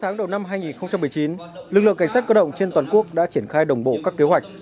sáu tháng đầu năm hai nghìn một mươi chín lực lượng cảnh sát cơ động trên toàn quốc đã triển khai đồng bộ các kế hoạch